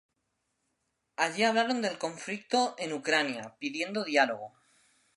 Allí hablaron del conflicto en Ucrania, pidiendo diálogo.